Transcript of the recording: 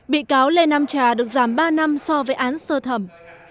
bị cáo lê nam trà được giảm ba năm so với án sơ thẩm